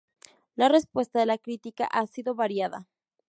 La respuesta de la crítica ha sido variada.